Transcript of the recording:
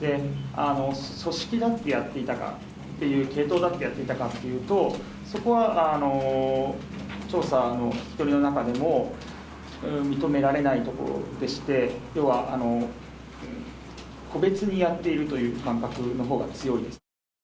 組織だってやっていたか、系統だってやっていたかというと、そこは調査の聞き取りの中でも、認められないところでして、ようは個別にやっているという感覚のほうが強いです。